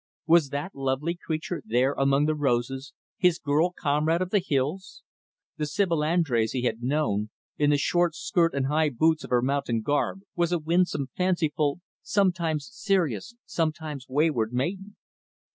Was that lovely creature there among the roses his girl comrade of the hills? The Sibyl Andrés he had known in the short skirt and high boots of her mountain garb was a winsome, fanciful, sometimes serious, sometimes wayward, maiden.